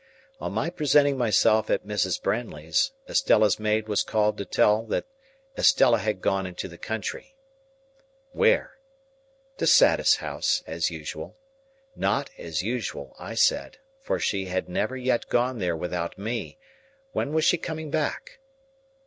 On my presenting myself at Mrs. Brandley's, Estella's maid was called to tell that Estella had gone into the country. Where? To Satis House, as usual. Not as usual, I said, for she had never yet gone there without me; when was she coming back?